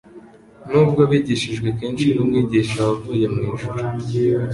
nubwo bigishijwe kenshi n'Umwigisha wavuye mu ijuru.